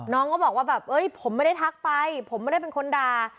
น้องก็บอกว่าแบบเอ้ยผมไม่ได้ทักไปผมไม่ได้เป็นคนด่า